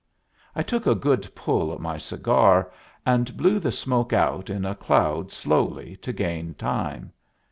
I took a good pull at my cigar, and blew the smoke out in a cloud slowly to gain time.